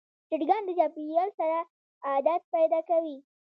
چرګان د چاپېریال سره عادت پیدا کوي.